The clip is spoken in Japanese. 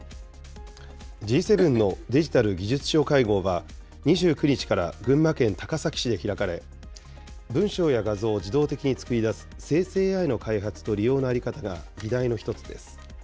Ｇ７のデジタル・技術相会合は２９日から群馬県高崎市で開かれ、文章や画像を自動的に作り出す生成ＡＩの開発と利用の在り方が議題の一つです。